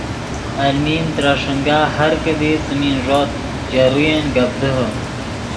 المی ترے ݰینگا ہر کیدی څیمن ݱوت ژے روین گپ دیہے